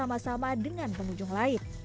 atau bersama sama dengan pengunjung lain